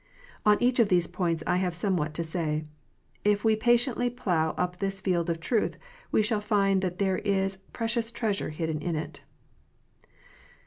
On each of these points I have somewhat to say. If we patiently plough up this field of truth, we shall find that there is precious treasure hidden in it.